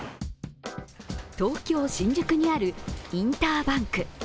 東京・新宿にあるインターバンク